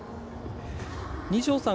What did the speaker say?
二條さん